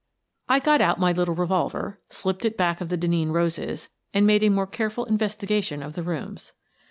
I got out my little revolver, slipped it back of the Denneen roses, and made a more careful in vestigation of the rooms.